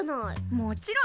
もちろん！